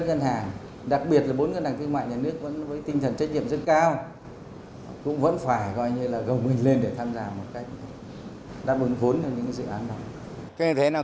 cũng vẫn phải gầu mình lên để tham gia một cách đáp ứng vốn cho những dự án đó